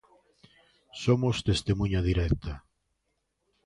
Somos testemuña directa.